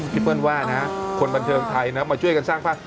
เปิ้ลว่านะคนบันเทิงไทยนะมาช่วยกันสร้างภาพ